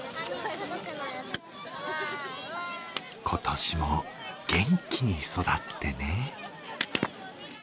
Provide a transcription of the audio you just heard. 今年も元気に育ってね。